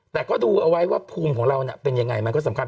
แต่ก็ดูเอาไว้ว่าภูมิของเราเป็นยังไงมันก็สำคัญ